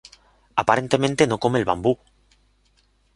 Aparentemente no come el bambú.